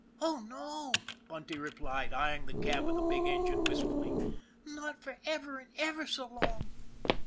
" Oh, no," Bunty replied, eyeing the cab of the big engine wistfully. " Not for ever and ever so long."